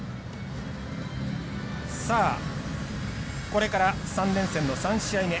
これから３連戦の３試合目。